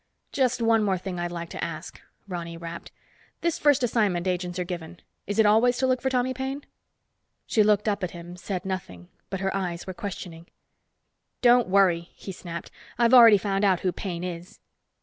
"Just one more thing I'd like to ask," Ronny rapped. "This first assignment, agents are given. Is it always to look for Tommy Paine?" She looked up at him, said nothing, but her eyes were questioning. "Don't worry," he snapped. "I've already found out who Paine is."